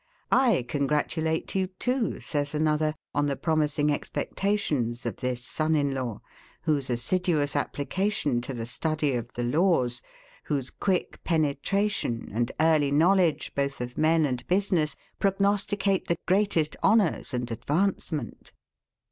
] I congratulate you too, says another, on the promising expectations of this son in law; whose assiduous application to the study of the laws, whose quick penetration and early knowledge both of men and business, prognosticate the greatest honours and advancement.